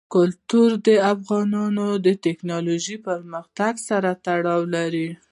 کلتور د افغانستان د تکنالوژۍ پرمختګ سره تړاو لري.